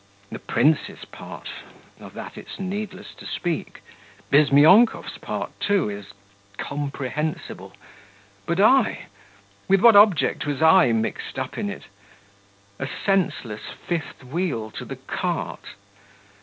The prince's part ... of that it's needless to speak; Bizmyonkov's part, too, is comprehensible.... But I with what object was I mixed up in it?... A senseless fifth wheel to the cart!...